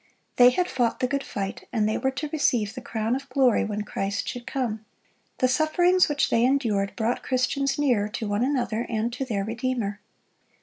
They had fought the good fight, and they were to receive the crown of glory when Christ should come. The sufferings which they endured brought Christians nearer to one another and to their Redeemer.